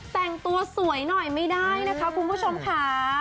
แต่งตัวสวยหน่อยไม่ได้นะคะคุณผู้ชมค่ะ